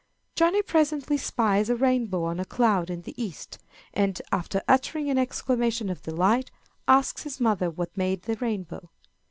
Johnny presently spies a rainbow on a cloud in the east, and, after uttering an exclamation of delight, asks his mother what made the rainbow.